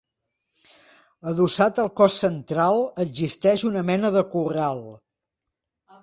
Adossat al cos central, existeix una mena de corral.